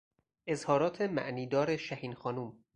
اظهارات معنیدار شهینخانم